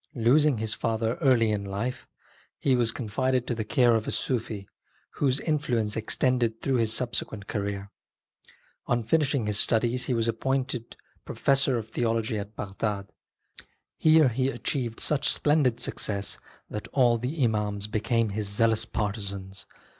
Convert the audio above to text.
Losing his father in early life, he was confided to the care of a Sufi, whose in fluence extended through his subsequent career. On finishing his studies he was appointed pro fessor of theology at Bagdad. Here he achieved such splendid success that all the Imams became his zealous partisans.